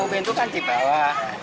pintu kan di bawah